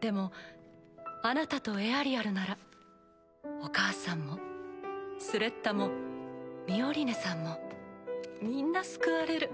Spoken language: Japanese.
でもあなたとエアリアルならお母さんもスレッタもミオリネさんもみんな救われる。